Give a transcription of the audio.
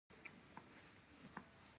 چې لازمي وجود او کانټينجنسي ئې پېژندلي وے -